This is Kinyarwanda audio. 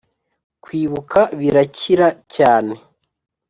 kwibuka birakira cyane ....